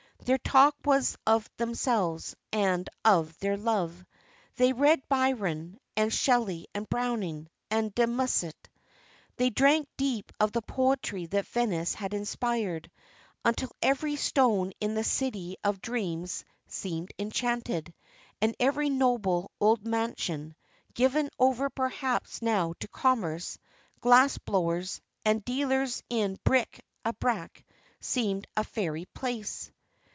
Their talk was of themselves, and of their love. They read Byron and Shelley and Browning, and De Musset. They drank deep of the poetry that Venice had inspired, until every stone in the City of Dreams seemed enchanted, and every noble old mansion, given over perhaps now to commerce, glass blowers, and dealers in bric à brac, seemed a fairy palace.